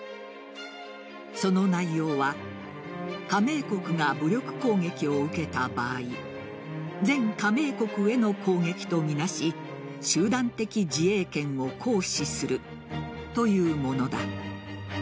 その内容は加盟国が武力攻撃を受けた場合全加盟国への攻撃とみなし集団的自衛権を行使するというものだ。